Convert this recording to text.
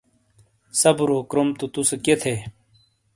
صبرو کروم تو تُوسے کِئے تھے!